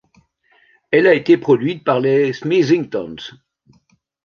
Elle a été produite par les Smeezingtons.